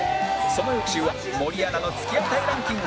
その翌週は森アナの付き合いたいランキング